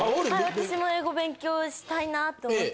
私も英語勉強したいなと思って。